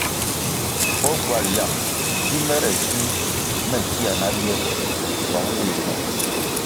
O ckywal yang gi mere fih me kia na ywe bong léh me?